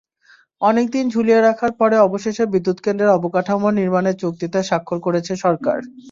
অনেক দিন ঝুলিয়ে রাখার পরে অবশেষে বিদ্যুৎকেন্দ্রের অবকাঠামো নির্মাণের চুক্তিতে স্বাক্ষর করেছে সরকার।